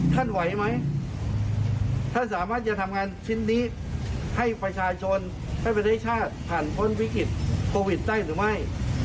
ไหวไหมท่านสามารถจะทำงานชิ้นนี้ให้ประชาชนให้ประเทศชาติผ่านพ้นวิกฤตโควิดได้หรือไม่